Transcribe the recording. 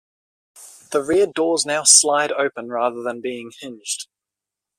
The rear doors now slide open rather than being hinged.